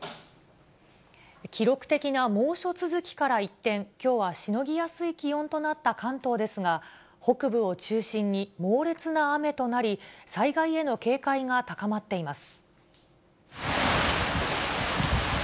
記録的な猛暑続きから一転、きょうはしのぎやすい気温となった関東ですが、北部を中心に猛烈な雨となり、災害への警戒が高まっています。